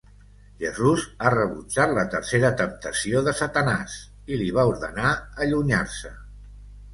Jesús ha rebutjat la tercera temptació de Satanàs i li va ordenar allunyar-se.